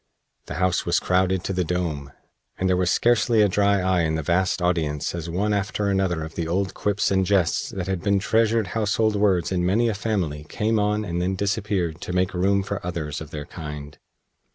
The house was crowded to the dome, and there was scarcely a dry eye in the vast audience as one after another of the old Quips and Jests that had been treasured household words in many a family came on and then disappeared to make room for others of their kind.